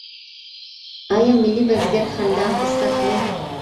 ایا ملي بزګر خندان پسته اخلي؟